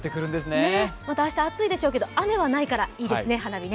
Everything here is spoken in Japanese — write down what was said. また明日、暑いでしょうけど、雨はないからいいですね。